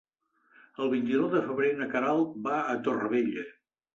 El vint-i-nou de febrer na Queralt va a Torrevella.